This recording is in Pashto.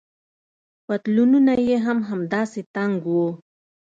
پتلونونه يې هم همداسې تنګ وو.